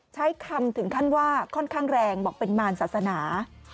ใช้คำถึงขั้นว่าค่อนข้างแรงบอกเป็นมารศาสนา